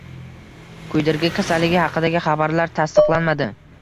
Kuydirgi kasalligi haqidagi xabarlar tasdiqlanmadi